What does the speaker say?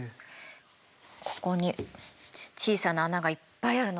ここに小さな穴がいっぱいあるの見えるかな？